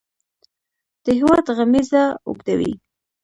د هیواد غمیزه اوږدوي.